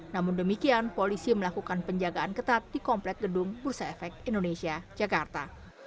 namun demikian polisi melakukan penjagaan ketat di komplek gedung bursa efek indonesia jakarta